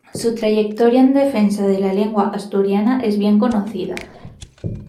Su trayectoria en defensa de la lengua asturiana es bien conocida.